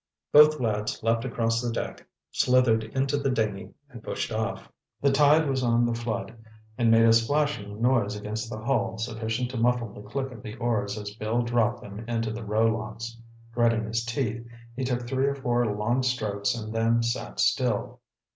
Both lads leapt across the deck, slithered into the dinghy and pushed off. The tide was on the flood and made a splashing noise against the hull sufficient to muffle the click of the oars as Bill dropped them into the row locks. Gritting his teeth, he took three or four long strokes and then sat still.